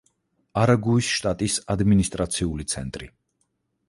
არაგუის შტატის ადმინისტრაციული ცენტრი.